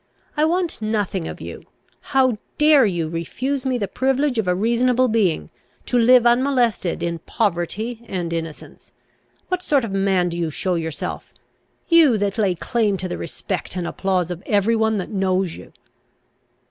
I want nothing of you: how dare you refuse me the privilege of a reasonable being, to live unmolested in poverty and innocence? What sort of a man do you show yourself, you that lay claim to the respect and applause of every one that knows you?"